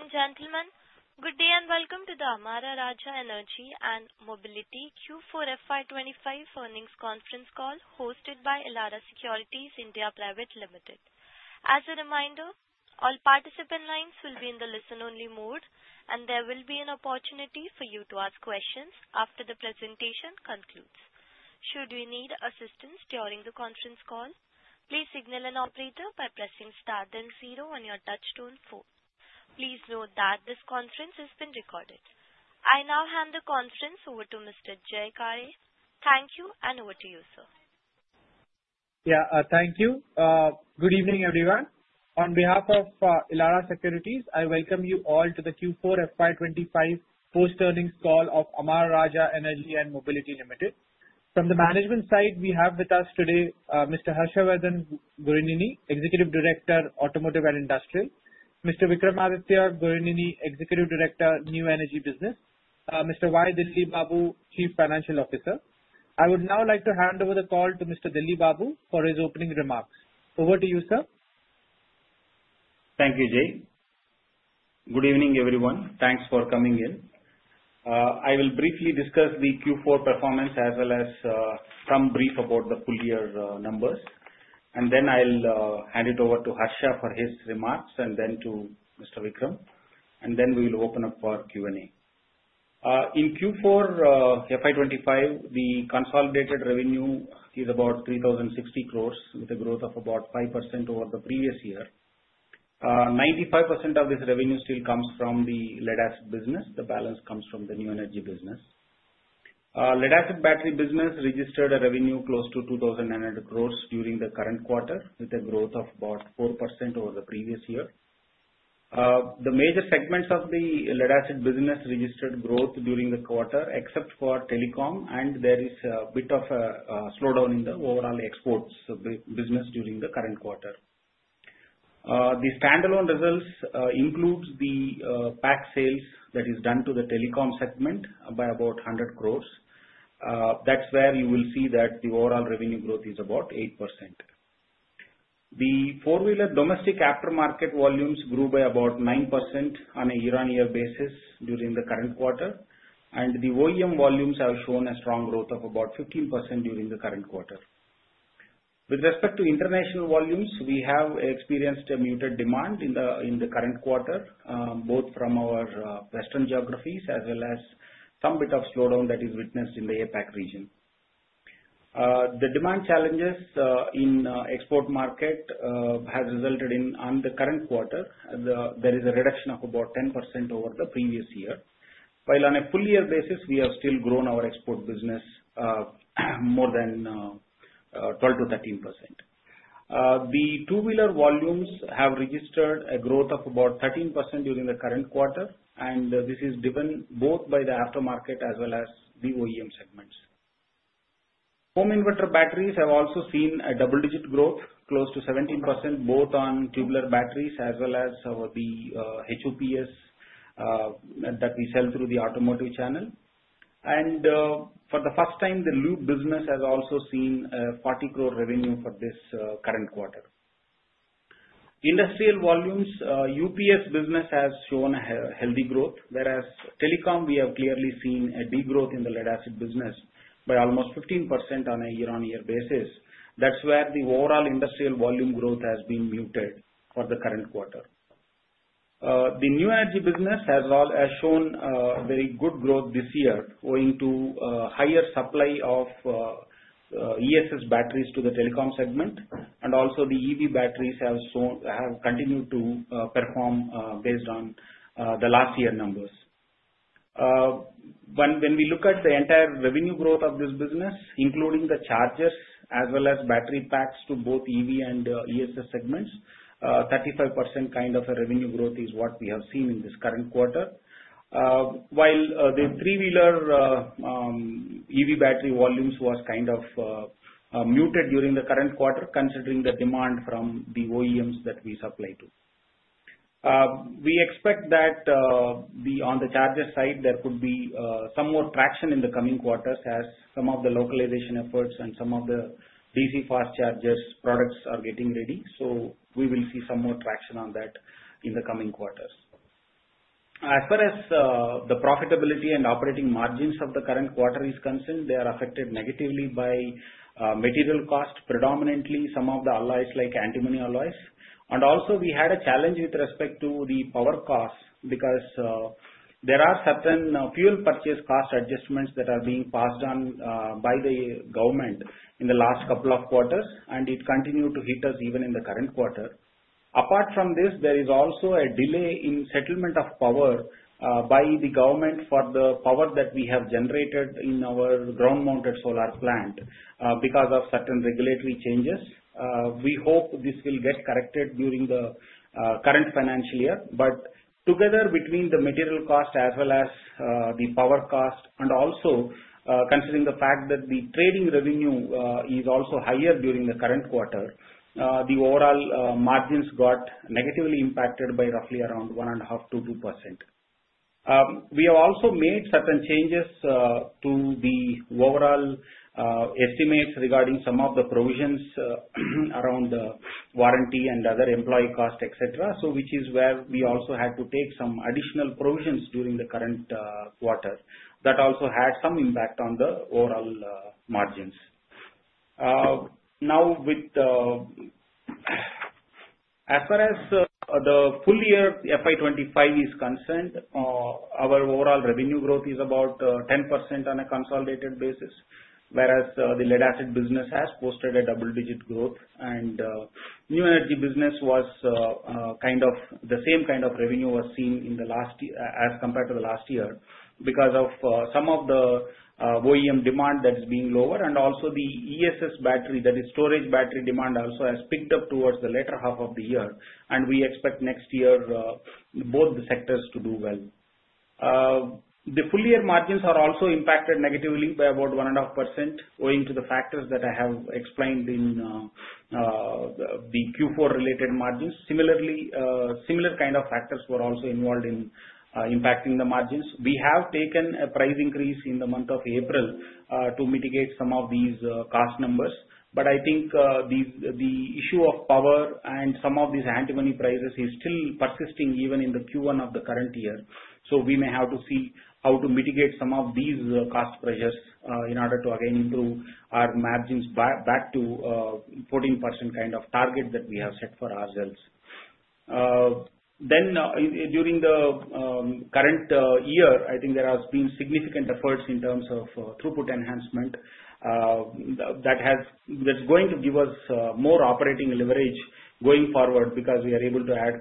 Ladies and gentlemen, good day and welcome to the Amara Raja Energy & Mobility Q4 FY 2024 earnings conference call hosted by Elara Securities India Pvt. Ltd. As a reminder, all participant lines will be in the listen-only mode, and there will be an opportunity for you to ask questions after the presentation concludes. Should you need assistance during the conference call, please signal an operator by pressing star then zero on your touchstone phone. Please note that this conference has been recorded. I now hand the conference over to Mr. Jay Kale. Thank you, and over to you, sir. Yeah, thank you. Good evening, everyone. On behalf of Elara Securities, I welcome you all to the Q4 FY 2025 post-earnings call of Amara Raja Energy & Mobility Limited. From the management side, we have with us today Mr. Harshavardhana Gourineni, Executive Director, Automotive & Industrial; Mr. Vikramaditya Gourineni, Executive Director, New Energy Business; Mr. Delli Babu Yenduri, Chief Financial Officer. I would now like to hand over the call to Mr. Delli Babu for his opening remarks. Over to you, sir. Thank you, Jay. Good evening, everyone. Thanks for coming in. I will briefly discuss the Q4 performance as well as some brief about the full year numbers. Then I'll hand it over to Harshav for his remarks and then to Mr. Vikram. Then we will open up for Q&A. In Q4 FY 2025, the consolidated revenue is about 3,060 crores with a growth of about 5% over the previous year. 95% of this revenue still comes from the lead-acid business. The balance comes from the new energy business. Lead-acid battery business registered a revenue close to 2,900 crores during the current quarter with a growth of about 4% over the previous year. The major segments of the lead-acid business registered growth during the quarter except for telecom, and there is a bit of a slowdown in the overall exports business during the current quarter. The standalone results include the PAC sales that is done to the telecom segment by about 100 crores. That is where you will see that the overall revenue growth is about 8%. The four-wheeler domestic aftermarket volumes grew by about 9% on a year-on-year basis during the current quarter, and the OEM volumes have shown a strong growth of about 15% during the current quarter. With respect to international volumes, we have experienced a muted demand in the current quarter, both from our western geographies as well as some bit of slowdown that is witnessed in the APAC region. The demand challenges in the export market have resulted in, on the current quarter, there is a reduction of about 10% over the previous year, while on a full-year basis, we have still grown our export business more than 12%-13%. The two-wheeler volumes have registered a growth of about 13% during the current quarter, and this is driven both by the aftermarket as well as the OEM segments. Home inverter batteries have also seen a double-digit growth, close to 17%, both on tubular batteries as well as the HUPS that we sell through the automotive channel. For the first time, the loop business has also seen a 40 crore revenue for this current quarter. Industrial volumes, UPS business has shown a healthy growth, whereas telecom, we have clearly seen a degrowth in the lead-acid business by almost 15% on a year-on-year basis. That is where the overall industrial volume growth has been muted for the current quarter. The new energy business has shown very good growth this year, owing to a higher supply of ESS batteries to the telecom segment, and also the EV batteries have continued to perform based on the last year numbers. When we look at the entire revenue growth of this business, including the chargers as well as battery packs to both EV and ESS segments, 35% kind of a revenue growth is what we have seen in this current quarter. While the three-wheeler EV battery volumes were kind of muted during the current quarter, considering the demand from the OEMs that we supply to. We expect that on the charger side, there could be some more traction in the coming quarters as some of the localization efforts and some of the DC Fast Charger products are getting ready. We will see some more traction on that in the coming quarters. As far as the profitability and operating margins of the current quarter is concerned, they are affected negatively by material cost, predominantly some of the alloys like antimony alloys. Also, we had a challenge with respect to the power cost because there are certain fuel purchase cost adjustments that are being passed on by the government in the last couple of quarters, and it continued to hit us even in the current quarter. Apart from this, there is also a delay in settlement of power by the government for the power that we have generated in our ground-mounted solar plant because of certain regulatory changes. We hope this will get corrected during the current financial year. Together, between the material cost as well as the power cost, and also considering the fact that the trading revenue is also higher during the current quarter, the overall margins got negatively impacted by roughly around 1.5%-2%. We have also made certain changes to the overall estimates regarding some of the provisions around the warranty and other employee cost, etc., which is where we also had to take some additional provisions during the current quarter that also had some impact on the overall margins. Now, as far as the full year 2025 is concerned, our overall revenue growth is about 10% on a consolidated basis, whereas the lead-acid business has posted a double-digit growth, and new energy business was kind of the same kind of revenue was seen as compared to the last year because of some of the OEM demand that is being lower. Also, the ESS battery, that is storage battery demand, has picked up towards the latter half of the year, and we expect next year both the sectors to do well. The full year margins are also impacted negatively by about 1.5%, owing to the factors that I have explained in the Q4 related margins. Similarly, similar kind of factors were also involved in impacting the margins. We have taken a price increase in the month of April to mitigate some of these cost numbers, but I think the issue of power and some of these antimony prices is still persisting even in the Q1 of the current year. We may have to see how to mitigate some of these cost pressures in order to, again, improve our margins back to 14% kind of target that we have set for ourselves. During the current year, I think there has been significant efforts in terms of throughput enhancement that is going to give us more operating leverage going forward because we are able to add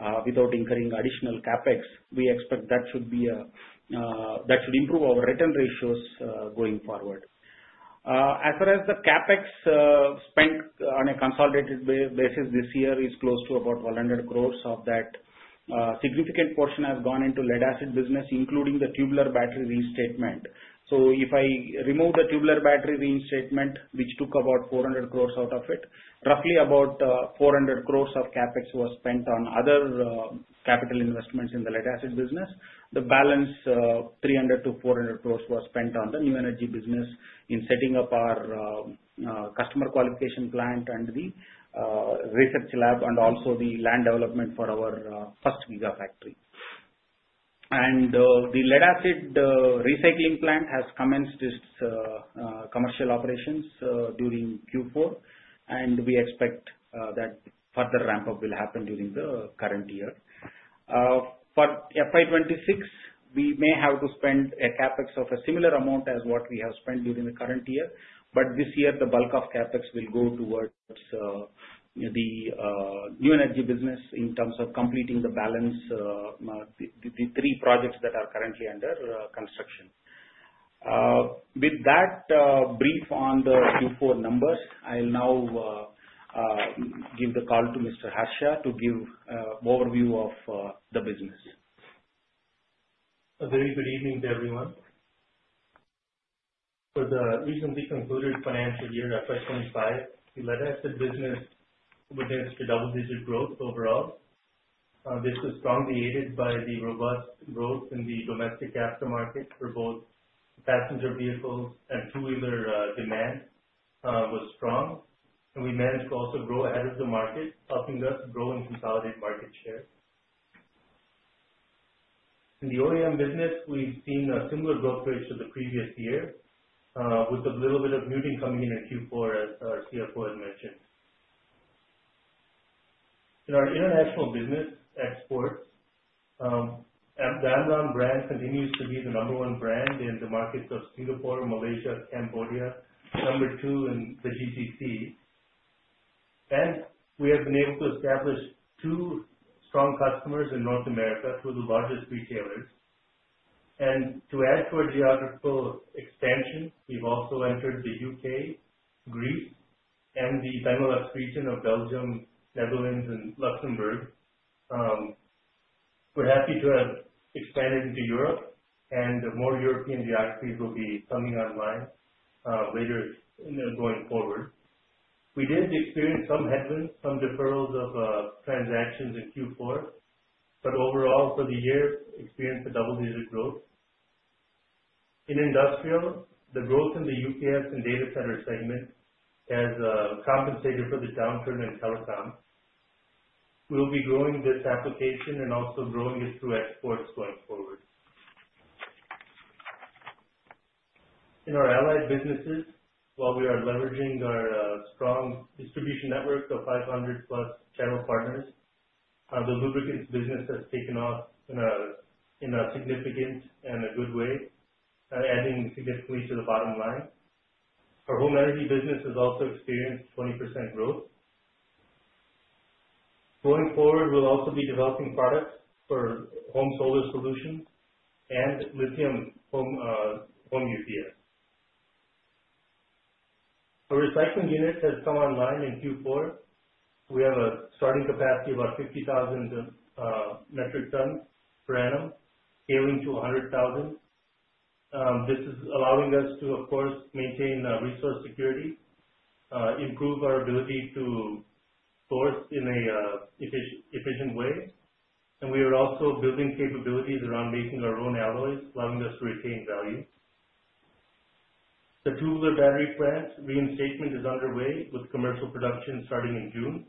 capacities without incurring additional CapEx. We expect that should improve our return ratios going forward. As far as the CapEx spent on a consolidated basis this year, it is close to about over 1,000 crore, of that significant portion has gone into lead-acid business, including the tubular battery reinstatement. If I remove the tubular battery reinstatement, which took about 400 crore out of it, roughly about 400 crore of CapEx was spent on other capital investments in the lead-acid business. The balance, 300-400 crore, was spent on the new energy business in setting up our customer qualification plant and the research lab and also the land development for our first gigafactory. The lead-acid recycling plant has commenced its commercial operations during Q4, and we expect that further ramp-up will happen during the current year. For FY 2026, we may have to spend a CapEx of a similar amount as what we have spent during the current year, but this year, the bulk of CapEx will go towards the new energy business in terms of completing the balance, the three projects that are currently under construction. With that brief on the Q4 numbers, I'll now give the call to Mr. Harshav to give an overview of the business. A very good evening to everyone. For the recently concluded financial year 2025, the lead-acid business witnessed a double-digit growth overall. This was strongly aided by the robust growth in the domestic aftermarket for both passenger vehicles and two-wheeler demand was strong, and we managed to also grow ahead of the market, helping us grow and consolidate market share. In the OEM business, we've seen a similar growth rate to the previous year, with a little bit of muting coming in in Q4, as our CFO had mentioned. In our international business exports, the Amara brand continues to be the number one brand in the markets of Singapore, Malaysia, Cambodia, number two in the GCC. We have been able to establish two strong customers in North America through the largest retailers. To add to our geographical expansion, we have also entered the U.K., Greece, and the Benelux region of Belgium, Netherlands, and Luxembourg. We are happy to have expanded into Europe, and more European geographies will be coming online later going forward. We did experience some headwinds, some deferrals of transactions in Q4, but overall, for the year, experienced a double-digit growth. In industrial, the growth in the UPS and data center segment has compensated for the downturn in telecom. We will be growing this application and also growing it through exports going forward. In our allied businesses, while we are leveraging our strong distribution network of 500+ channel partners, the lubricants business has taken off in a significant and a good way, adding significantly to the bottom line. Our home energy business has also experienced 20% growth. Going forward, we will also be developing products for home solar solutions and lithium home UPS. A recycling unit has come online in Q4. We have a starting capacity of about 50,000 metric tons per annum, scaling to 100,000. This is allowing us to, of course, maintain resource security, improve our ability to source in an efficient way, and we are also building capabilities around making our own alloys, allowing us to retain value. The tubular battery plant reinstatement is underway with commercial production starting in June,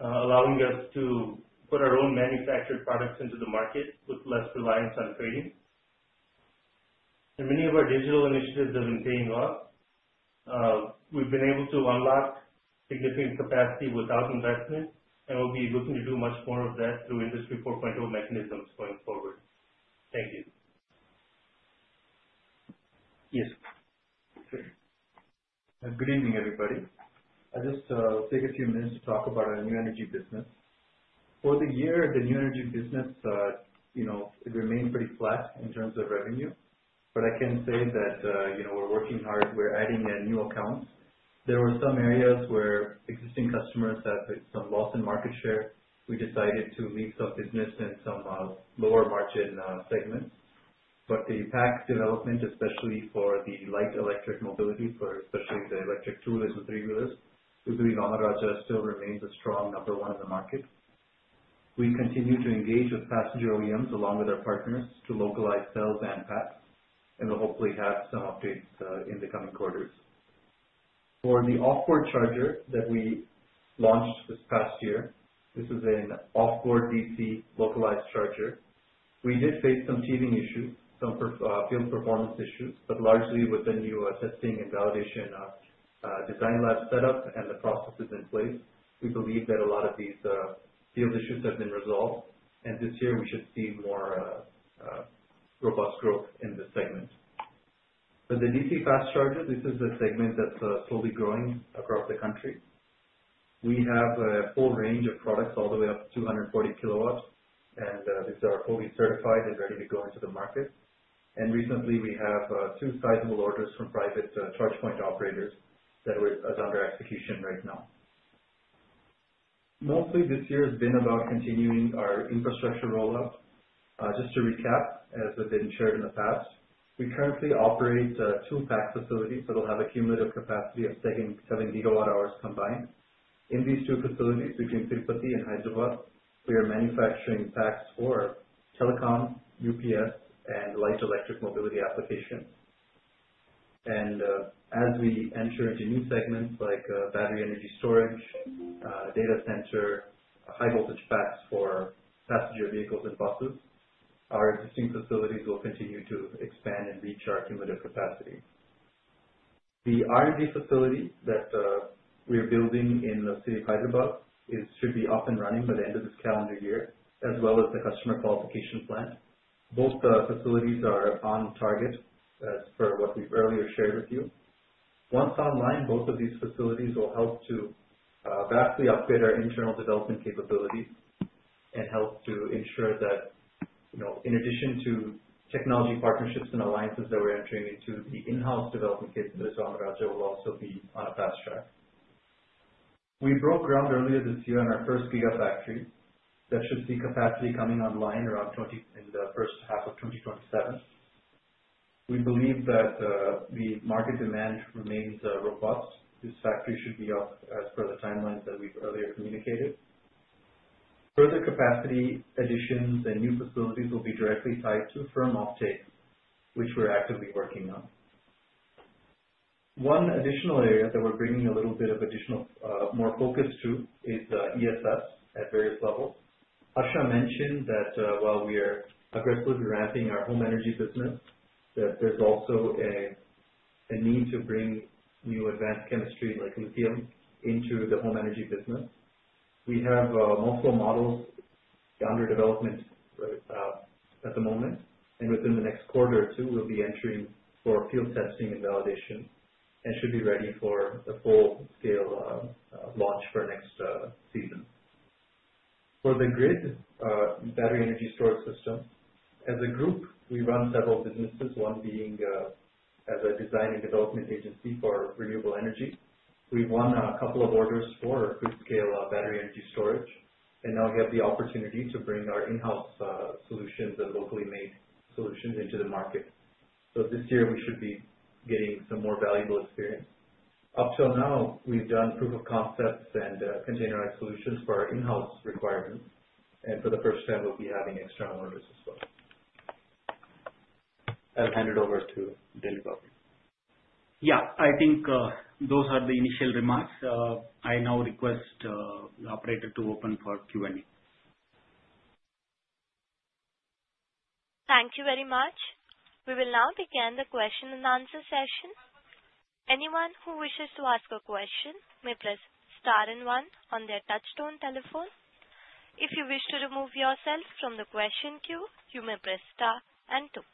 allowing us to put our own manufactured products into the market with less reliance on trading. Many of our digital initiatives have been paying off. We've been able to unlock significant capacity without investment, and we'll be looking to do much more of that through Industry 4.0 mechanisms going forward. Thank you. Yes. Good evening, everybody. I'll just take a few minutes to talk about our new energy business. For the year, the new energy business remained pretty flat in terms of revenue, but I can say that we're working hard. We're adding new accounts. There were some areas where existing customers had some loss in market share. We decided to leave some business in some lower margin segments. The pack development, especially for the light electric mobility, especially the electric two-wheelers and three-wheelers, we believe Amara Raja still remains a strong number one in the market. We continue to engage with passenger OEMs along with our partners to localize cells and packs, and we'll hopefully have some updates in the coming quarters. For the offboard charger that we launched this past year, this is an offboard DC localized charger. We did face some teething issues, some field performance issues, but largely with the new testing and validation design lab setup and the processes in place, we believe that a lot of these field issues have been resolved, and this year, we should see more robust growth in this segment. For the DC fast charger, this is a segment that's slowly growing across the country. We have a full range of products all the way up to 240 kW, and these are fully certified and ready to go into the market. Recently, we have two sizable orders from private charge point operators that are under execution right now. Mostly, this year has been about continuing our infrastructure roll-up. Just to recap, as has been shared in the past, we currently operate two pack facilities that will have a cumulative capacity of 7 GWh combined. In these two facilities, between Tirupati and Hyderabad, we are manufacturing packs for telecom, UPS, and light electric mobility applications. As we enter into new segments like battery energy storage, data center, high-voltage packs for passenger vehicles and buses, our existing facilities will continue to expand and reach our cumulative capacity. The R&D facility that we are building in the city of Hyderabad should be up and running by the end of this calendar year, as well as the customer qualification plant. Both facilities are on target, as per what we've earlier shared with you. Once online, both of these facilities will help to vastly upgrade our internal development capabilities and help to ensure that, in addition to technology partnerships and alliances that we're entering into, the in-house development capabilities of Amara Raja will also be on a fast track. We broke ground earlier this year on our first gigafactory that should see capacity coming online around in the first half of 2027. We believe that the market demand remains robust. This factory should be up as per the timelines that we've earlier communicated. Further capacity additions and new facilities will be directly tied to firm offtake, which we're actively working on. One additional area that we're bringing a little bit of additional more focus to is ESS at various levels. Harshav mentioned that while we are aggressively ramping our home energy business, that there's also a need to bring new advanced chemistry like lithium into the home energy business. We have multiple models under development at the moment, and within the next quarter or two, we'll be entering for field testing and validation and should be ready for the full-scale launch for next season. For the grid battery energy storage system, as a group, we run several businesses, one being as a design and development agency for renewable energy. We've won a couple of orders for a good scale battery energy storage, and now we have the opportunity to bring our in-house solutions and locally made solutions into the market. This year, we should be getting some more valuable experience. Up till now, we've done proof of concepts and containerized solutions for our in-house requirements, and for the first time, we'll be having external orders as well. I'll hand it over to Delucchi. Yeah, I think those are the initial remarks. I now request the operator to open for Q&A. Thank you very much. We will now begin the question and answer session. Anyone who wishes to ask a question may press star and one on their touchstone telephone. If you wish to remove yourself from the question queue, you may press star and two.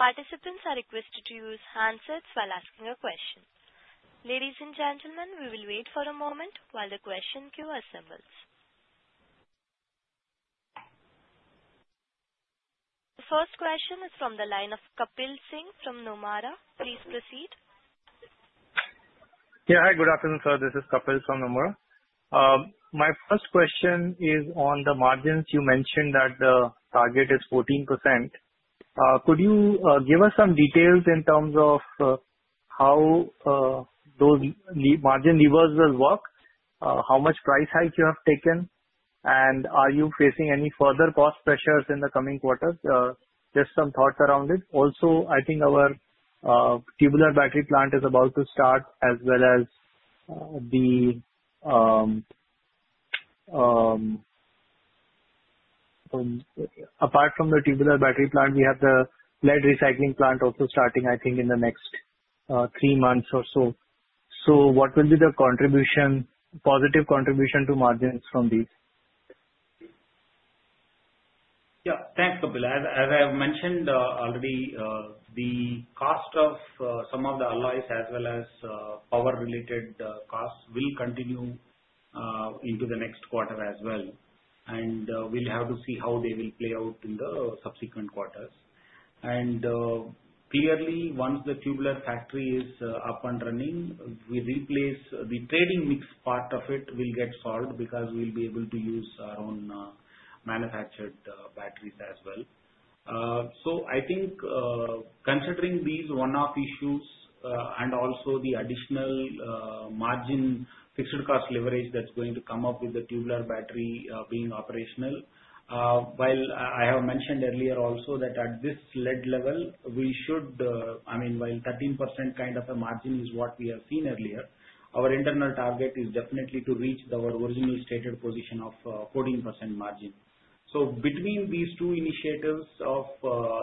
Participants are requested to use handsets while asking a question. Ladies and gentlemen, we will wait for a moment while the question queue assembles. The first question is from the line of Kapil Singh from Nomura. Please proceed. Yeah, hi. Good afternoon, sir. This is Kapil from Nomura. My first question is on the margins. You mentioned that the target is 14%. Could you give us some details in terms of how those margin reversals work, how much price hike you have taken, and are you facing any further cost pressures in the coming quarters? Just some thoughts around it. Also, I think our tubular battery plant is about to start, as well as the apart from the tubular battery plant, we have the lead recycling plant also starting, I think, in the next three months or so. So what will be the positive contribution to margins from these? Yeah, thanks, Kapil. As I have mentioned already, the cost of some of the alloys, as well as power-related costs, will continue into the next quarter as well, and we'll have to see how they will play out in the subsequent quarters. Clearly, once the tubular factory is up and running, the trading mix part of it will get solved because we'll be able to use our own manufactured batteries as well. I think considering these one-off issues and also the additional margin fixed cost leverage that's going to come up with the tubular battery being operational, while I have mentioned earlier also that at this lead level, we should, I mean, while 13% kind of a margin is what we have seen earlier, our internal target is definitely to reach our original stated position of 14% margin. Between these two initiatives of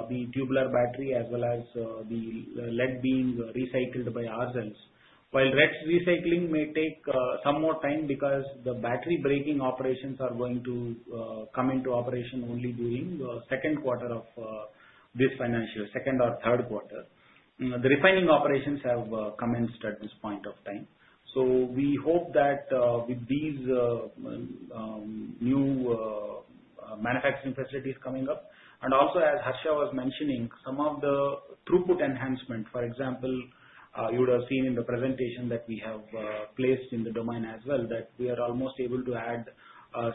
the tubular battery, as well as the lead being recycled by ourselves, while recycling may take some more time because the battery breaking operations are going to come into operation only during the second quarter of this financial year, second or third quarter. The refining operations have commenced at this point of time. We hope that with these new manufacturing facilities coming up, and also, as Harshav was mentioning, some of the throughput enhancement, for example, you would have seen in the presentation that we have placed in the domain as well, that we are almost able to add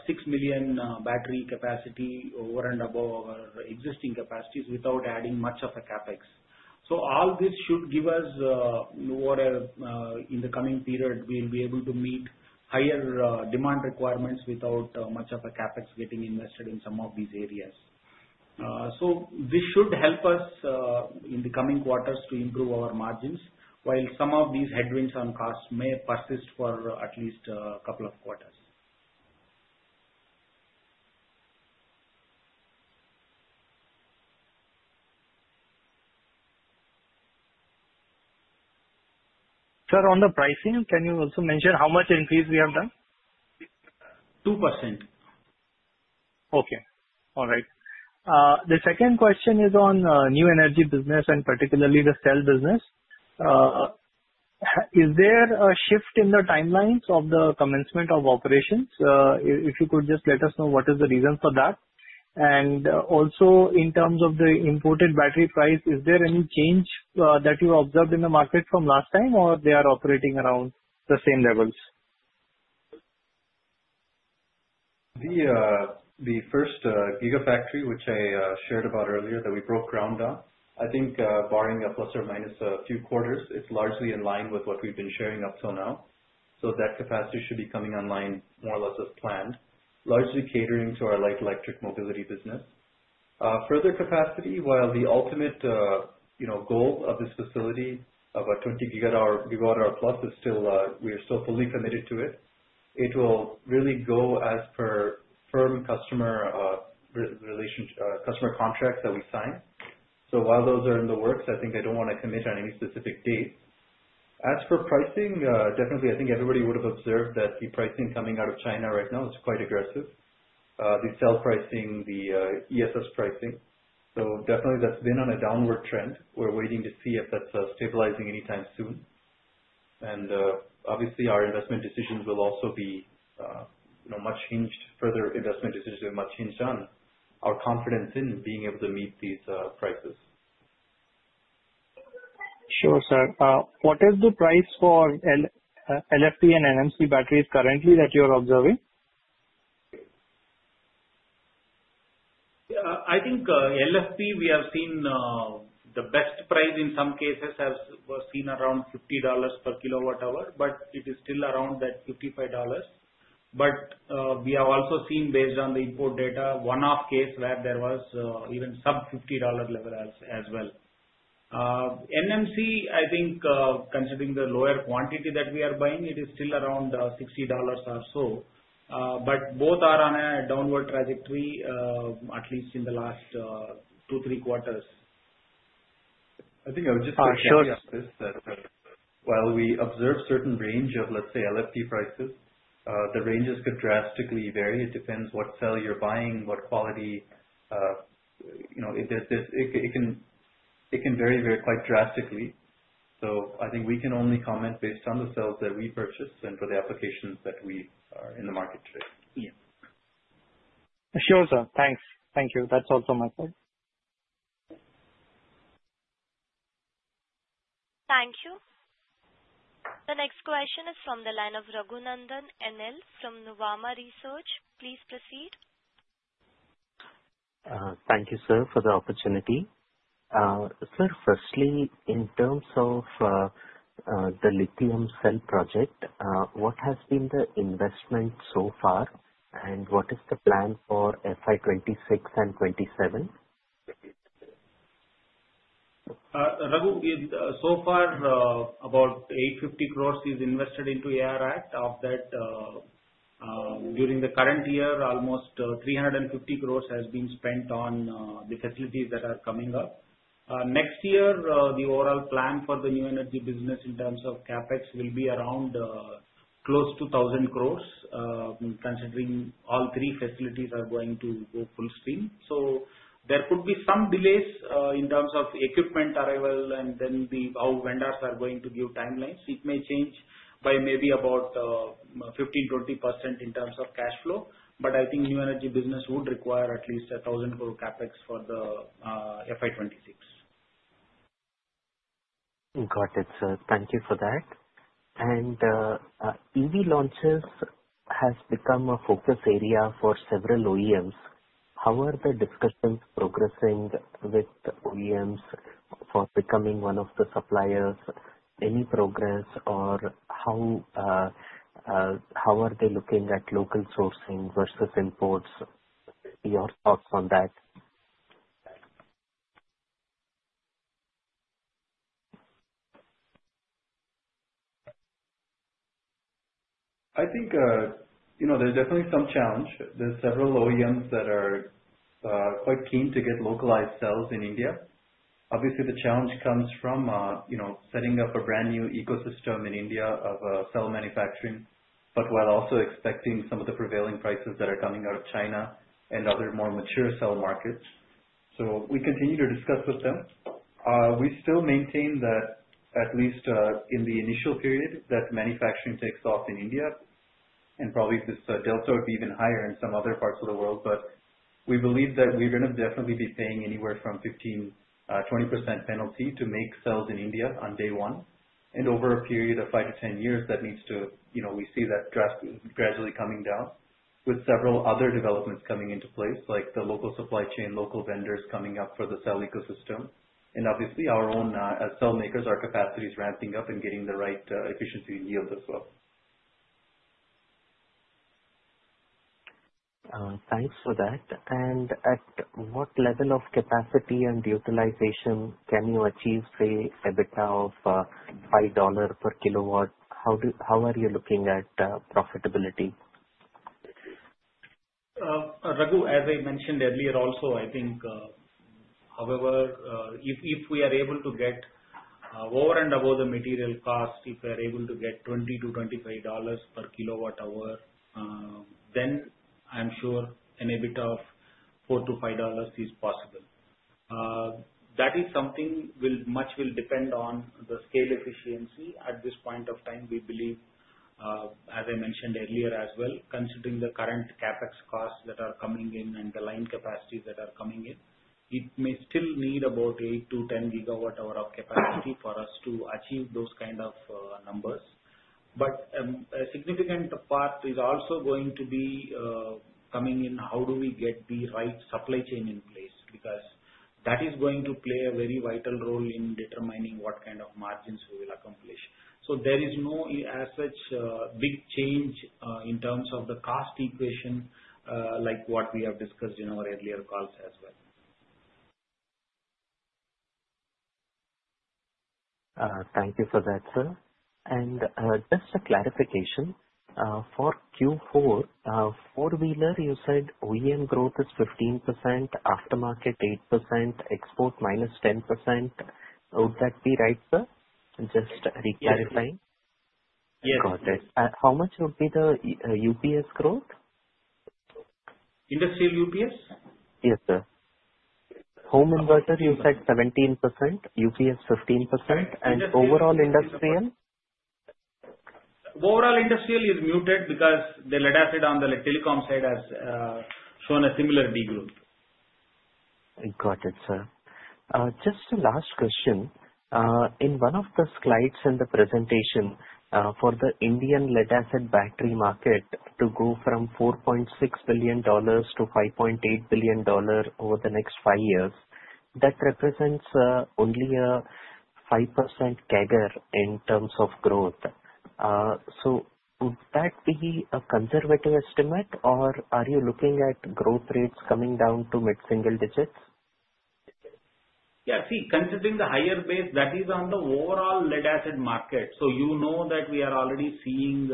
6 million battery capacity over and above our existing capacities without adding much of a CapEx. All this should give us, in the coming period, we'll be able to meet higher demand requirements without much of a CapEx getting invested in some of these areas. This should help us in the coming quarters to improve our margins, while some of these headwinds on costs may persist for at least a couple of quarters. Sir, on the pricing, can you also mention how much increase we have done? 2%. Okay. All right. The second question is on new energy business, and particularly the cell business. Is there a shift in the timelines of the commencement of operations? If you could just let us know what is the reason for that. Also, in terms of the imported battery price, is there any change that you observed in the market from last time, or they are operating around the same levels? The first gigafactory, which I shared about earlier, that we broke ground on, I think, barring a plus or minus a few quarters, it's largely in line with what we've been sharing up till now. That capacity should be coming online more or less as planned, largely catering to our light electric mobility business. Further capacity, while the ultimate goal of this facility of a 20 GWh+ is still we are still fully committed to it, it will really go as per firm customer contracts that we sign. While those are in the works, I think they don't want to commit on any specific date. As for pricing, definitely, I think everybody would have observed that the pricing coming out of China right now is quite aggressive: the cell pricing, the ESS pricing. Definitely, that's been on a downward trend. We're waiting to see if that's stabilizing anytime soon. Obviously, our investment decisions will also be much hinged, further investment decisions will be much hinged on our confidence in being able to meet these prices. Sure, sir. What is the price for LFP and NMC batteries currently that you're observing? I think LFP, we have seen the best price in some cases has seen around $50 per kWh, but it is still around that $55. We have also seen, based on the import data, one-off case where there was even sub-$50 level as well. NMC, I think, considering the lower quantity that we are buying, it is still around $60 or so. Both are on a downward trajectory, at least in the last two, three quarters. I think I would just add to that while we observe a certain range of, let's say, LFP prices, the ranges could drastically vary. It depends what cell you're buying, what quality. It can vary quite drastically. I think we can only comment based on the cells that we purchase and for the applications that we are in the market today. Sure, sir. Thanks. Thank you. That's all from my side. Thank you. The next question is from the line of Raghunandan Eelore from Nuvama Research. Please proceed. Thank you, sir, for the opportunity. Sir, firstly, in terms of the lithium cell project, what has been the investment so far, and what is the plan for FY 2026 and 2027? Raghu, so far, about 850 crore is invested into AR Act. Of that, during the current year, almost 350 crore has been spent on the facilities that are coming up. Next year, the overall plan for the new energy business in terms of CapEx will be around close to 1,000 crore, considering all three facilities are going to go full steam. There could be some delays in terms of equipment arrival, and then how vendors are going to give timelines. It may change by maybe about 15-20% in terms of cash flow. I think new energy business would require at least 1,000 crore CapEx for the financial year 2026. Got it, sir. Thank you for that. EV launches have become a focus area for several OEMs. How are the discussions progressing with OEMs for becoming one of the suppliers? Any progress, or how are they looking at local sourcing versus imports? Your thoughts on that? I think there's definitely some challenge. There's several OEMs that are quite keen to get localized cells in India. Obviously, the challenge comes from setting up a brand new ecosystem in India of cell manufacturing, but while also expecting some of the prevailing prices that are coming out of China and other more mature cell markets. We continue to discuss with them. We still maintain that, at least in the initial period that manufacturing takes off in India, and probably this delta would be even higher in some other parts of the world. We believe that we're going to definitely be paying anywhere from 15%-20% penalty to make cells in India on day one. Over a period of five to ten years, that needs to, we see that gradually coming down with several other developments coming into place, like the local supply chain, local vendors coming up for the cell ecosystem. Obviously, our own, as cell makers, our capacity is ramping up and getting the right efficiency and yield as well. Thanks for that. At what level of capacity and utilization can you achieve, say, EBITDA of $5 per kW? How are you looking at profitability? Raghu, as I mentioned earlier also, I think, however, if we are able to get over and above the material cost, if we are able to get $20-$25 per kWh, then I'm sure an EBITDA of $4-$5 is possible. That is something much will depend on the scale efficiency. At this point of time, we believe, as I mentioned earlier as well, considering the current CapEx costs that are coming in and the line capacities that are coming in, it may still need about 8-10 GWh of capacity for us to achieve those kind of numbers. A significant part is also going to be coming in how do we get the right supply chain in place because that is going to play a very vital role in determining what kind of margins we will accomplish. There is no as such big change in terms of the cost equation like what we have discussed in our earlier calls as well. Thank you for that, sir. Just a clarification for Q4, four-wheeler, you said OEM growth is 15%, aftermarket 8%, export minus 10%. Would that be right, sir? Just re-clarifying. Yes. Got it. How much would be the UPS growth? Industrial UPS? Yes, sir. Home inverter, you said 17%, UPS 15%, and overall industrial? Overall, industrial is muted because the lead acid on the telecom side has shown a similar degrowth. Got it, sir. Just a last question. In one of the slides in the presentation, for the Indian lead acid battery market to go from $4.6 billion to $5.8 billion over the next five years, that represents only a 5% CAGR in terms of growth. So would that be a conservative estimate, or are you looking at growth rates coming down to mid-single digits? Yeah, see, considering the higher base, that is on the overall lead-acid market. You know that we are already seeing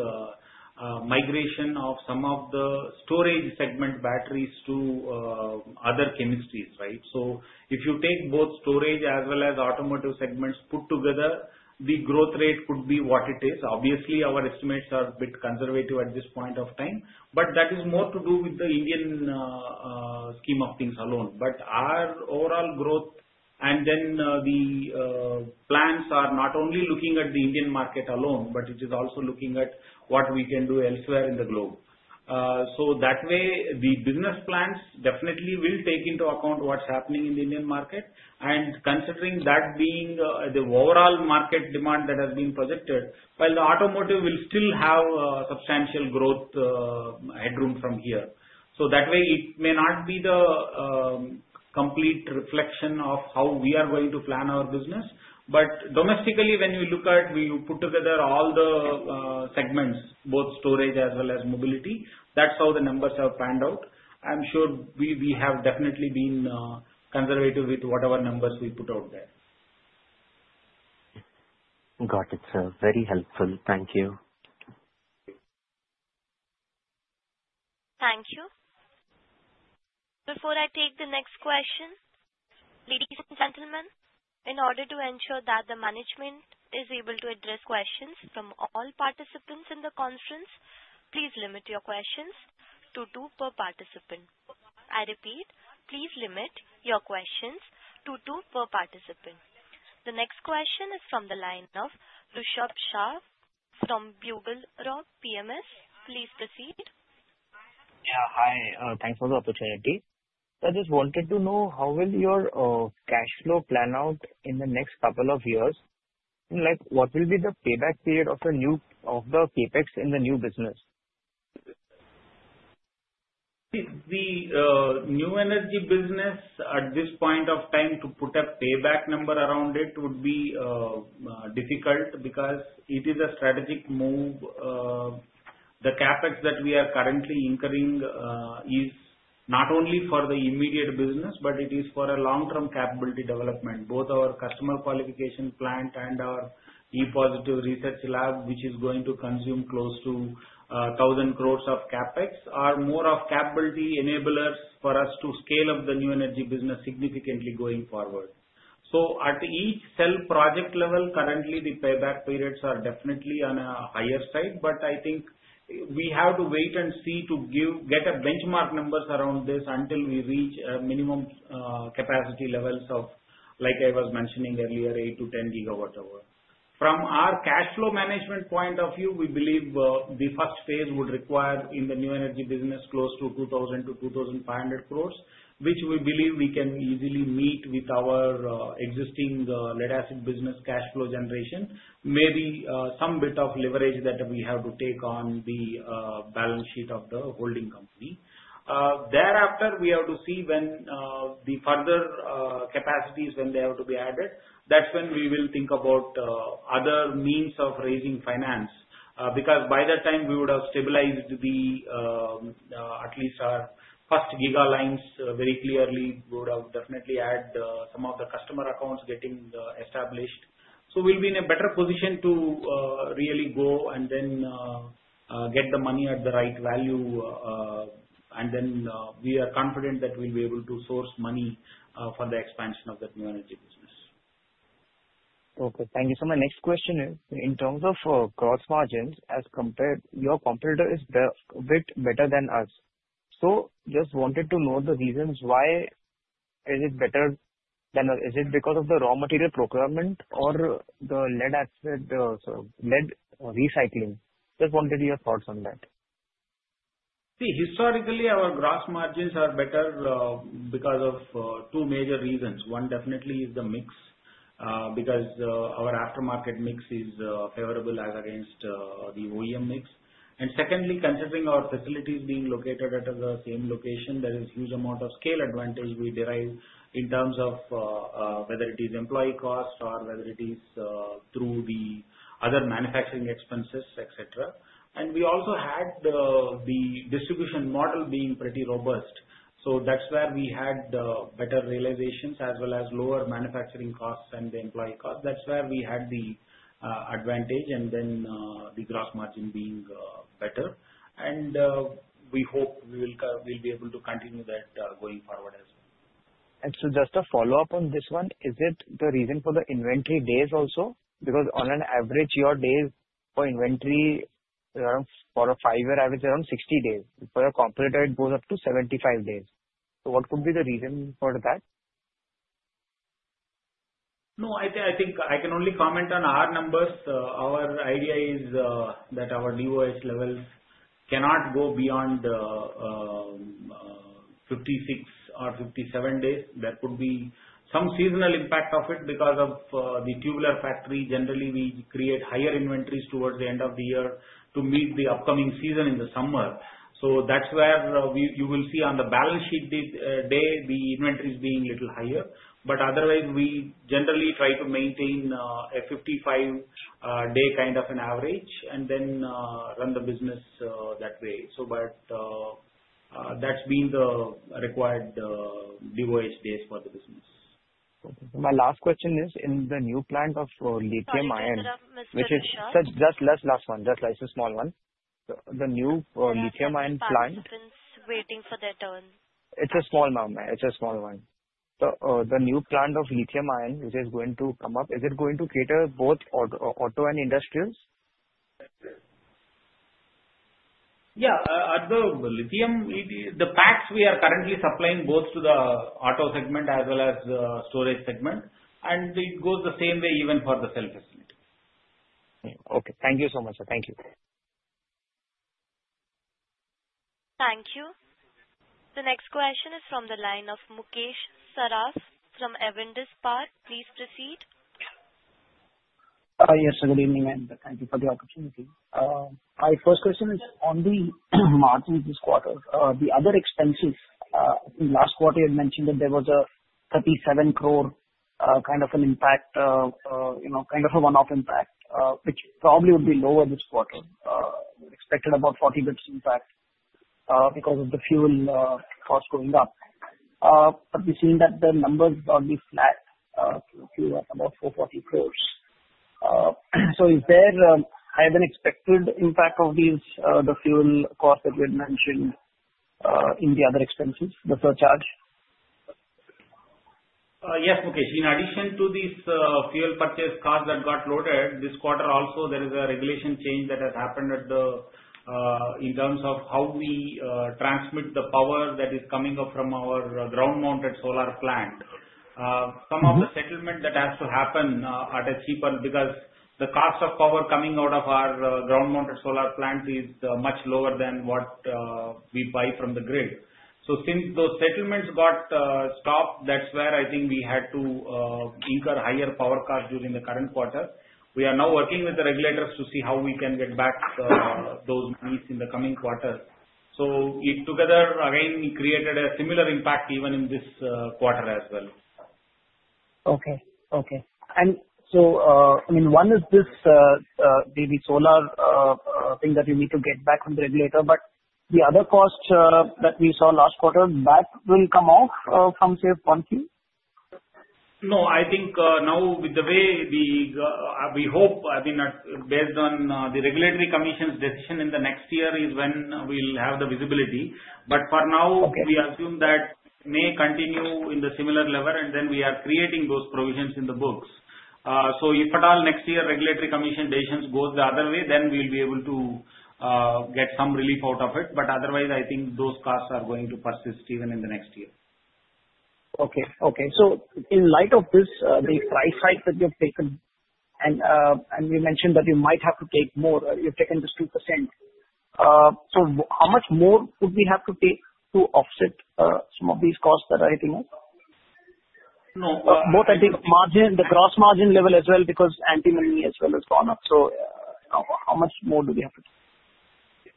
migration of some of the storage segment batteries to other chemistries, right? If you take both storage as well as automotive segments put together, the growth rate could be what it is. Obviously, our estimates are a bit conservative at this point of time, but that is more to do with the Indian scheme of things alone. Our overall growth, and then the plans are not only looking at the Indian market alone, but it is also looking at what we can do elsewhere in the globe. That way, the business plans definitely will take into account what's happening in the Indian market. Considering that being the overall market demand that has been projected, while the automotive will still have substantial growth headroom from here. That way, it may not be the complete reflection of how we are going to plan our business. Domestically, when you look at, when you put together all the segments, both storage as well as mobility, that is how the numbers have panned out. I am sure we have definitely been conservative with whatever numbers we put out there. Got it, sir. Very helpful. Thank you. Thank you. Before I take the next question, ladies and gentlemen, in order to ensure that the management is able to address questions from all participants in the conference, please limit your questions to two per participant. I repeat, please limit your questions to two per participant. The next question is from the line of Rishab Shah from Bughle Rock PMS. Please proceed. Yeah, hi. Thanks for the opportunity. I just wanted to know how will your cash flow plan out in the next couple of years? What will be the payback period of the CapEx in the new business? The new energy business, at this point of time, to put a payback number around it would be difficult because it is a strategic move. The CapEx that we are currently incurring is not only for the immediate business, but it is for a long-term capability development. Both our customer qualification plant and our E-positive Research Lab, which is going to consume close to 1,000 crore of CapEx, are more of capability enablers for us to scale up the new energy business significantly going forward. At each cell project level, currently, the payback periods are definitely on a higher side, but I think we have to wait and see to get benchmark numbers around this until we reach minimum capacity levels of, like I was mentioning earlier, 8-10 GWh. From our cash flow management point of view, we believe the first phase would require, in the new energy business, close to 2,000-2,500 crores, which we believe we can easily meet with our existing lead acid business cash flow generation, maybe some bit of leverage that we have to take on the balance sheet of the holding company. Thereafter, we have to see when the further capacities when they have to be added. That's when we will think about other means of raising finance because by that time, we would have stabilized at least our first giga lines very clearly, would have definitely added some of the customer accounts getting established. We'll be in a better position to really go and then get the money at the right value, and then we are confident that we'll be able to source money for the expansion of the new energy business. Okay. Thank you so much. Next question is, in terms of gross margins, as compared, your competitor is a bit better than us. Just wanted to know the reasons why it is better. Is it because of the raw material procurement or the lead acid recycling? Just wanted your thoughts on that. See, historically, our gross margins are better because of two major reasons. One definitely is the mix because our aftermarket mix is favorable as against the OEM mix. Secondly, considering our facilities being located at the same location, there is a huge amount of scale advantage we derive in terms of whether it is employee cost or whether it is through the other manufacturing expenses, etc. We also had the distribution model being pretty robust. That is where we had better realizations as well as lower manufacturing costs and the employee cost. That is where we had the advantage and then the gross margin being better. We hope we will be able to continue that going forward as well. Just a follow up on this one, is it the reason for the inventory days also? Because on average, your days for inventory for a five-year average is around 60 days. For a competitor, it goes up to 75 days. What could be the reason for that? No, I think I can only comment on our numbers. Our idea is that our DOH levels cannot go beyond 56 or 57 days. There could be some seasonal impact of it because of the tubular factory. Generally, we create higher inventories towards the end of the year to meet the upcoming season in the summer. That is where you will see on the balance sheet day, the inventory is being a little higher. Otherwise, we generally try to maintain a 55-day kind of an average and then run the business that way. That has been the required DOH days for the business. My last question is, in the new plant of lithium ion, which is just last one, just a small one. The new lithium ion plant. It's a small one. It's a small one. The new plant of lithium ion, which is going to come up, is it going to cater both auto and industrials? Yeah. The lithium, the packs we are currently supplying both to the auto segment as well as the storage segment. It goes the same way even for the cell facility. Okay. Thank you so much, sir. Thank you. Thank you. The next question is from the line of Mukesh Saraf from Advisors Spark. Please proceed. Yes, good evening, and thank you for the opportunity. My first question is, on the margins this quarter, the other expenses, I think last quarter you had mentioned that there was a 37 crore kind of an impact, kind of a one-off impact, which probably would be lower this quarter. We expected about 40 basis points impact because of the fuel cost going up. But we've seen that the numbers are probably flat, about 440 crores. Is there a higher than expected impact of the fuel cost that you had mentioned in the other expenses, the surcharge? Yes, Mukesh. In addition to these fuel purchase costs that got loaded, this quarter also, there is a regulation change that has happened in terms of how we transmit the power that is coming up from our ground-mounted solar plant. Some of the settlement that has to happen at a cheaper because the cost of power coming out of our ground-mounted solar plant is much lower than what we buy from the grid. Since those settlements got stopped, that's where I think we had to incur higher power costs during the current quarter. We are now working with the regulators to see how we can get back those needs in the coming quarter. Together, again, we created a similar impact even in this quarter as well. Okay. Okay. I mean, one is this maybe solar thing that you need to get back from the regulator, but the other cost that we saw last quarter, that will come off from, say, Punky? No, I think now with the way we hope, I mean, based on the regulatory commission's decision in the next year is when we'll have the visibility. For now, we assume that may continue at a similar level, and then we are creating those provisions in the books. If at all next year regulatory commission decisions go the other way, then we'll be able to get some relief out of it. Otherwise, I think those costs are going to persist even in the next year. Okay. Okay. In light of this, the price hike that you've taken, and you mentioned that you might have to take more, you've taken this 2%. How much more would we have to take to offset some of these costs that are hitting us? No. Both, I think, the gross margin level as well because antimony as well has gone up. So how much more do we have to take?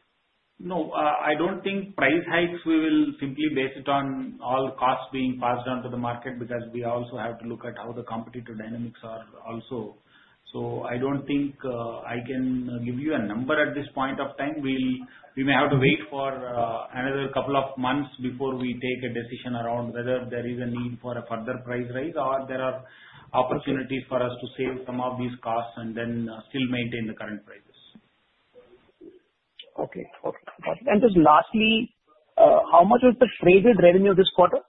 No, I don't think price hikes we will simply base it on all costs being passed down to the market because we also have to look at how the competitor dynamics are also. I don't think I can give you a number at this point of time. We may have to wait for another couple of months before we take a decision around whether there is a need for a further price rise or there are opportunities for us to save some of these costs and then still maintain the current prices. Okay. Okay. Got it. Just lastly, how much was the traded revenue this quarter?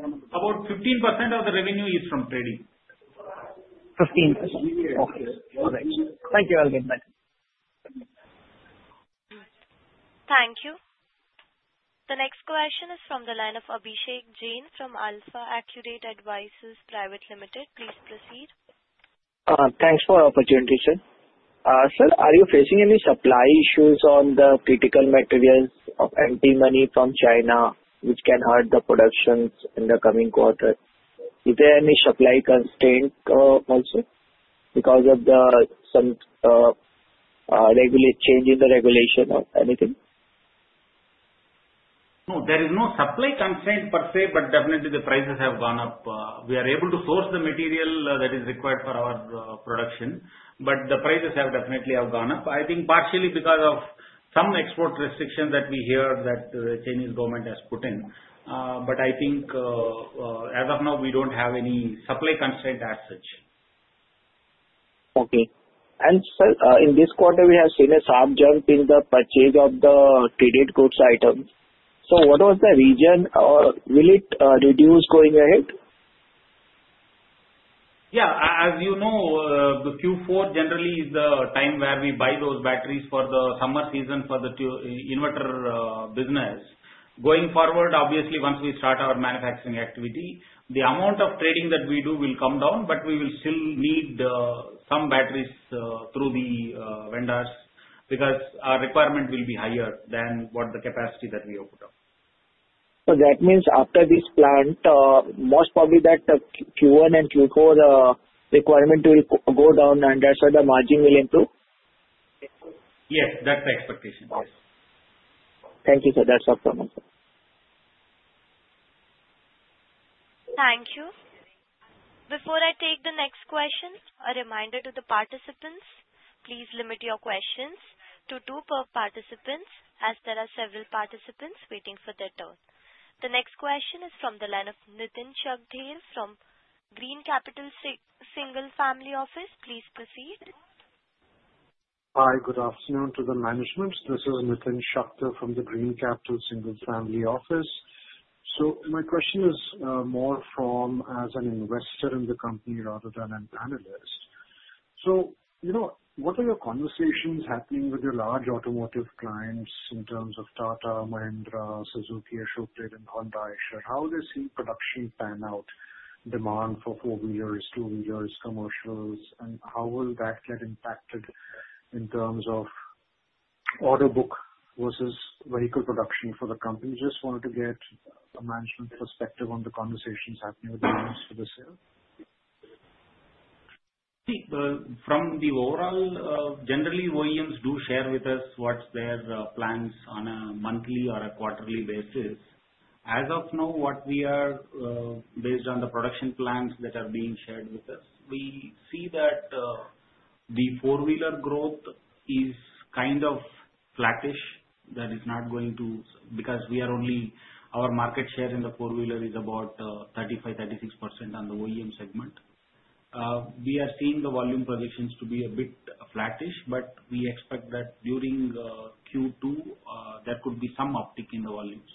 About 15% of the revenue is from trading. 15%. Okay. All right. Thank you, Alvin. Bye. Thank you. The next question is from the line of Abhishek Jain from Alpha Accurate Advisors Private Limited. Please proceed. Thanks for the opportunity, sir. Sir, are you facing any supply issues on the critical materials of antimony from China, which can hurt the production in the coming quarter? Is there any supply constraint also because of some change in the regulation or anything? No, there is no supply constraint per se, but definitely the prices have gone up. We are able to source the material that is required for our production, but the prices have definitely gone up. I think partially because of some export restrictions that we heard that the Chinese government has put in. I think as of now, we do not have any supply constraint as such. Okay. Sir, in this quarter, we have seen a sharp jump in the purchase of the traded goods items. What was the reason, or will it reduce going ahead? Yeah. As you know, Q4 generally is the time where we buy those batteries for the summer season for the inverter business. Going forward, obviously, once we start our manufacturing activity, the amount of trading that we do will come down, but we will still need some batteries through the vendors because our requirement will be higher than what the capacity that we are put up. That means after this plant, most probably that Q1 and Q4 requirement will go down and that's where the margin will improve? Yes, that's the expectation. Yes. Thank you, sir. That's all from me. Thank you. Before I take the next question, a reminder to the participants, please limit your questions to two per participant as there are several participants waiting for their turn. The next question is from the line of Nitin Shakdher from Green Capital Single Family Office. Please proceed. Hi, good afternoon to the management. This is Nitin Shakdher from the Green Capital Single Family Office. My question is more from as an investor in the company rather than an analyst. What are your conversations happening with your large automotive clients in terms of Tata, Mahindra, Suzuki, Ashok Leyland, Honda, Eicher? How do they see production pan out, demand for four-wheelers, two-wheelers, commercials, and how will that get impacted in terms of auto book versus vehicle production for the company? Just wanted to get a management perspective on the conversations happening with the clients for the sale. From the overall, generally, OEMs do share with us what's their plans on a monthly or a quarterly basis. As of now, based on the production plans that are being shared with us, we see that the four-wheeler growth is kind of flattish. That is not going to because we are only our market share in the four-wheeler is about 35-36% on the OEM segment. We are seeing the volume projections to be a bit flattish, but we expect that during Q2, there could be some uptick in the volumes.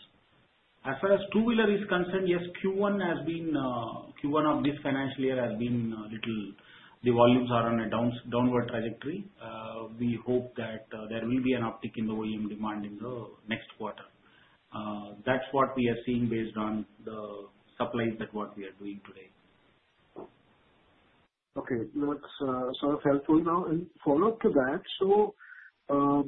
As far as two-wheeler is concerned, yes, Q1 of this financial year has been a little the volumes are on a downward trajectory. We hope that there will be an uptick in the OEM demand in the next quarter. That's what we are seeing based on the supply that what we are doing today. Okay. That's sort of helpful now. And follow up to that,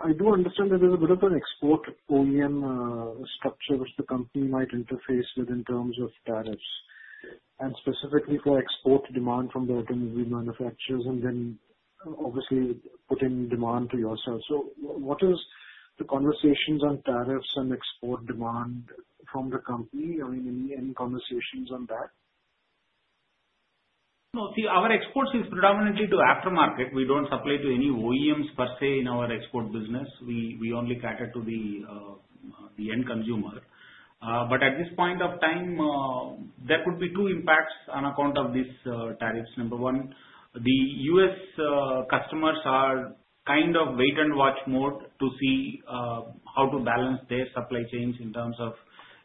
I do understand that there's a bit of an export OEM structure which the company might interface with in terms of tariffs and specifically for export demand from the automobile manufacturers and then obviously putting demand to yourself. What are the conversations on tariffs and export demand from the company? I mean, any conversations on that? No, see, our exports is predominantly to aftermarket. We don't supply to any OEMs per se in our export business. We only cater to the end consumer. At this point of time, there could be two impacts on account of these tariffs. Number one, the US customers are kind of in a wait-and-watch mode to see how to balance their supply chains in terms of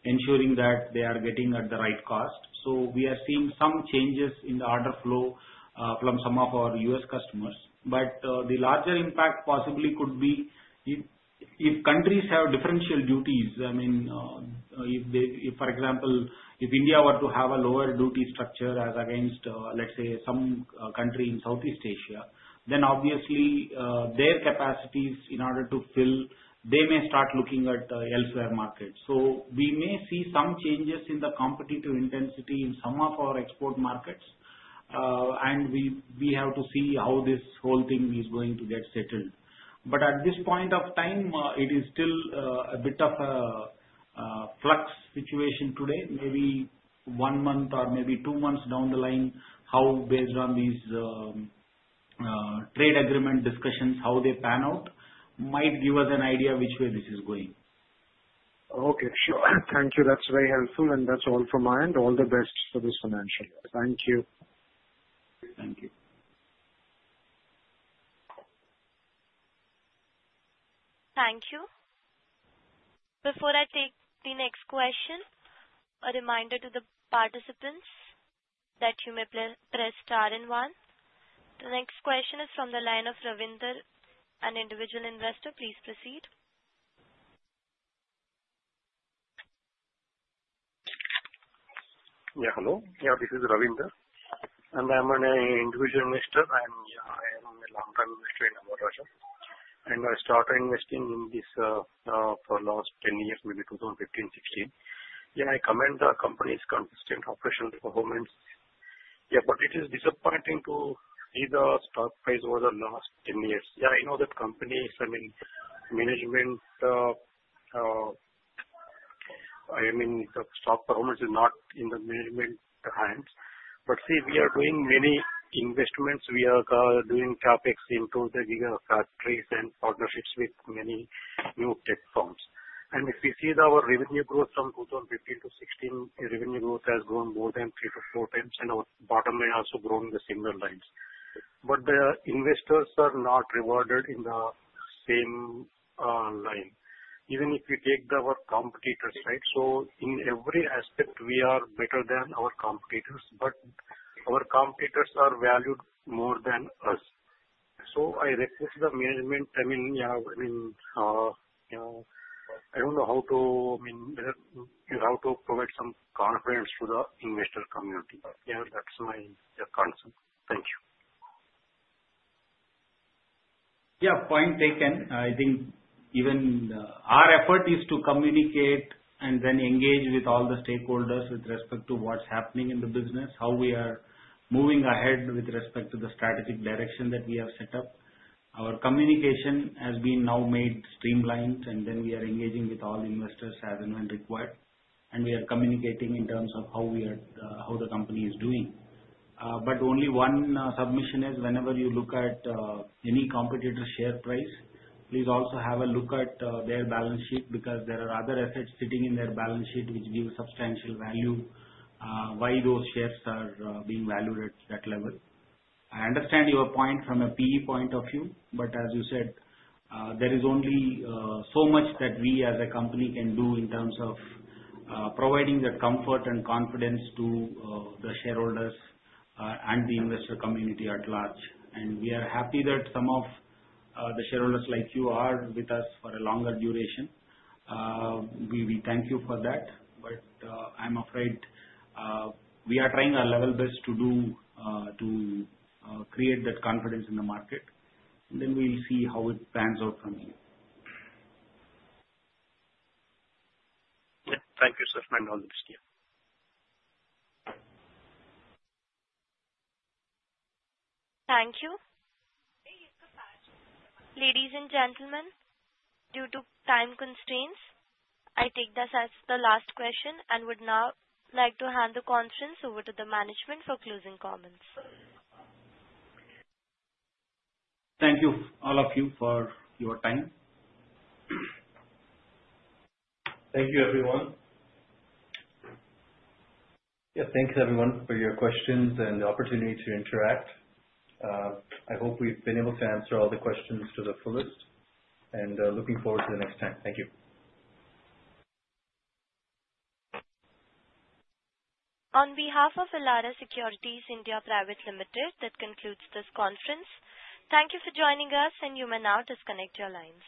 ensuring that they are getting at the right cost. We are seeing some changes in the order flow from some of our US customers. The larger impact possibly could be if countries have differential duties. I mean, for example, if India were to have a lower duty structure as against, let's say, some country in Southeast Asia, then obviously their capacities in order to fill, they may start looking at elsewhere markets. We may see some changes in the competitive intensity in some of our export markets, and we have to see how this whole thing is going to get settled. At this point of time, it is still a bit of a flux situation today. Maybe one month or maybe two months down the line, based on these trade agreement discussions, how they pan out might give us an idea which way this is going. Okay. Sure. Thank you. That's very helpful. That's all from my end. All the best for this financial year. Thank you. Thank you. Thank you. Before I take the next question, a reminder to the participants that you may press star and one. The next question is from the line of Ravinder, an individual investor. Please proceed. Yeah. Hello. Yeah, this is Ravinder. And I'm an individual investor. And yeah, I am a long-time investor in Amara Raja. And I started investing in this for the last 10 years, maybe 2015, 2016. Yeah, I comment the company's consistent operational performance. Yeah, but it is disappointing to see the stock price over the last 10 years. Yeah, I know that companies, I mean, management, I mean, the stock performance is not in the management hands. See, we are doing many investments. We are doing CapEx into the factories and partnerships with many new tech firms. If we see our revenue growth from 2015 to 2016, revenue growth has grown more than three to four times. And our bottom line has also grown in the similar lines. But the investors are not rewarded in the same line. Even if we take our competitors, right? In every aspect, we are better than our competitors, but our competitors are valued more than us. I request the management, I mean, yeah, I mean, I do not know how to, I mean, how to provide some confidence to the investor community. Yeah, that is my concern. Thank you. Yeah, point taken. I think even our effort is to communicate and then engage with all the stakeholders with respect to what's happening in the business, how we are moving ahead with respect to the strategic direction that we have set up. Our communication has been now made streamlined, and then we are engaging with all investors as and when required. We are communicating in terms of how the company is doing. Only one submission is whenever you look at any competitor share price, please also have a look at their balance sheet because there are other assets sitting in their balance sheet which give substantial value why those shares are being valued at that level. I understand your point from a PE point of view, but as you said, there is only so much that we as a company can do in terms of providing that comfort and confidence to the shareholders and the investor community at large. We are happy that some of the shareholders like you are with us for a longer duration. We thank you for that. I'm afraid we are trying our level best to create that confidence in the market. Then we'll see how it pans out from here. Yeah. Thank you, sir. My knowledge is clear. Thank you. Ladies and gentlemen, due to time constraints, I take this as the last question and would now like to hand the conference over to the management for closing comments. Thank you, all of you, for your time. Thank you, everyone. Yeah, thanks, everyone, for your questions and the opportunity to interact. I hope we've been able to answer all the questions to the fullest. Looking forward to the next time. Thank you. On behalf of Elara Securities India Pvt. Ltd., that concludes this conference. Thank you for joining us, and you may now disconnect your lines.